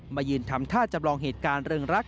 มายืนทำท่าจำลองเหตุการณ์เริงรัก